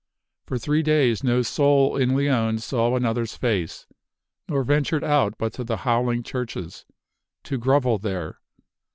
For three days no soul in Leon saw another's face, nor ventured out but to the howling churches, to grovel there.